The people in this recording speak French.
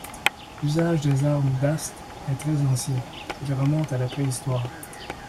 L'usage des armes d'hast est très ancien, il remonte à la préhistoire.